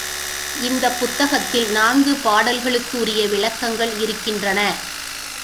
இந்தப் புத்தகத்தில் நான்கு பாடல்களுக்குரிய விளக்கங்கள் இருக்கின்றன.